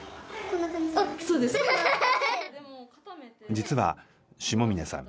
実は下峰さん